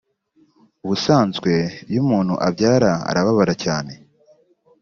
Ubusanzwe iyo umuntu abyara arababara cyane